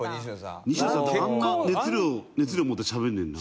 あんな熱量持ってしゃべんねんな。